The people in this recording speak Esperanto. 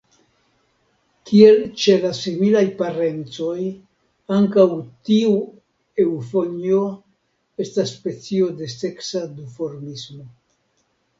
Kiel ĉe la similaj parencoj, ankaŭ tiu eŭfonjo estas specio de seksa duformismo.